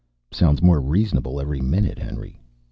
"Sounds more reasonable every minute, Henry.